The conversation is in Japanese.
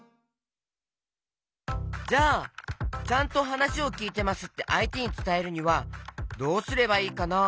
じゃあ「ちゃんとはなしをきいてます」ってあいてにつたえるにはどうすればいいかな？